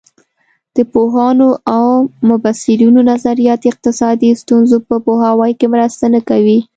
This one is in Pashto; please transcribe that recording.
د پوهانو او مبصرینو نظریات اقتصادي ستونزو په پوهاوي کې مرسته نه کوي.